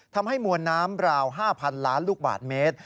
ทำให้มวลน้ำราว๕๐๐๐ล้านลูกบาทเมตร